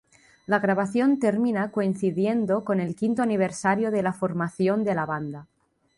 La grabación termina coincidiendo con el quinto aniversario de la formación de la banda.